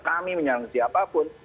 kami menyerang siapapun